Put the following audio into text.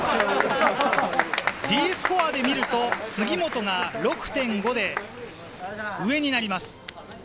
Ｄスコアで見ると、杉本が６．５で上になります。